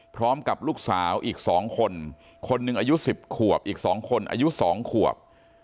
พร้อมกับลูกสาวอีก๒คนคนหนึ่งอายุ๑๐ขวบอีก๒คนอายุ๒ขวบ